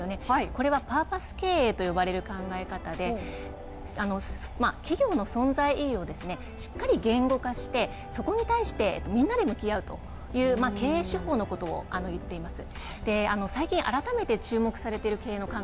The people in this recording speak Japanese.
これはパーパス経営と呼ばれる考え方で企業の存在をですね、しっかり言語化して、そこに対してみんなで向き合うという経営手法のことをいっています